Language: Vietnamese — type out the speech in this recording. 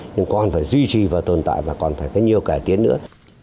nhưng còn phải duy trì và tồn tại và còn phải có nhiều cải tiến nữa